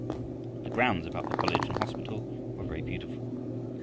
The grounds about the college and hospital were very beautiful.